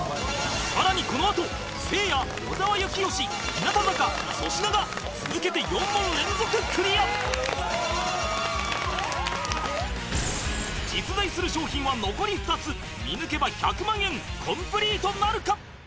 さらにこのあとせいや小澤征悦日向坂粗品が続けて４問連続クリア実在する商品は残り２つ見抜けば１００万円コンプリートなるか？